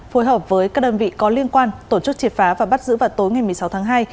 phối hợp với các đơn vị có liên quan tổ chức triệt phá và bắt giữ vào tối ngày một mươi sáu tháng hai